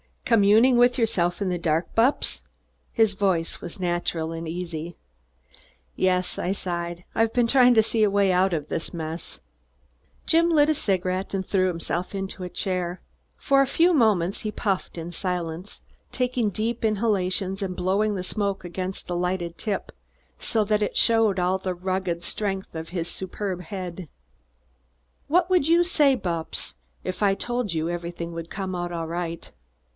"Communing with yourself in the dark, Bupps?" his voice was natural and easy. "Yes," I sighed, "I've been trying to see a way out of this mess." Jim lit a cigarette and threw himself into a chair. For a few moments he puffed in silence, taking deep inhalations and blowing the smoke against the lighted tip, so that it showed all the rugged, strength of his superb head. "What would you say, Bupps, if I told you everything would come out all right?"